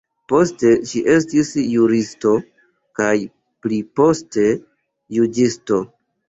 Poste ŝi estis juristo kaj pliposte juĝisto.